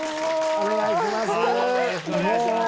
お願いします。